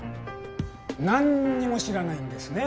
なんにも知らないんですね